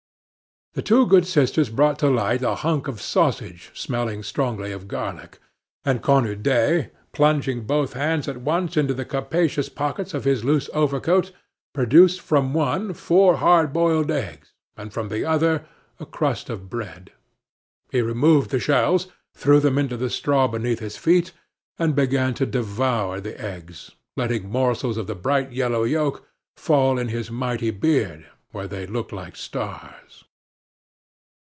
The two good sisters brought to light a hunk of sausage smelling strongly of garlic; and Cornudet, plunging both hands at once into the capacious pockets of his loose overcoat, produced from one four hard boiled eggs and from the other a crust of bread. He removed the shells, threw them into the straw beneath his feet, and began to devour the eggs, letting morsels of the bright yellow yolk fall in his mighty beard, where they looked like stars.